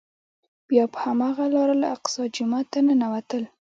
بیا په هماغه لاره الاقصی جومات ته ننوتل.